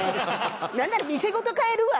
なんなら店ごと買えるわ！